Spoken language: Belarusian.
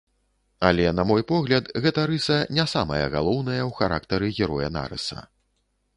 Але, на мой погляд, гэта рыса не самая галоўная ў характары героя нарыса.